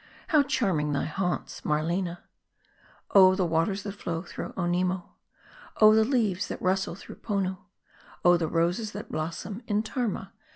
How charming thy haunts Marlena ! Oh, the waters that flow through Onimoo : Oh, the leaves that rustle through Ponoo : Oh, the roses that blossom in Tarma